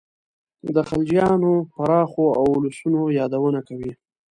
د خلجیانو پراخو اولسونو یادونه کوي.